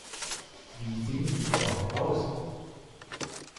Wie sehen Sie überhaupt aus?